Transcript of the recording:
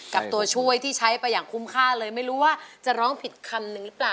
ตัวช่วยที่ใช้ไปอย่างคุ้มค่าเลยไม่รู้ว่าจะร้องผิดคำหนึ่งหรือเปล่า